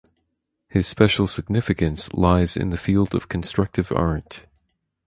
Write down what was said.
His special significance lies in the field of constructive art.